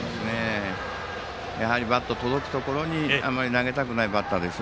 やはりバットが届くところにあまり投げたくないバッターです。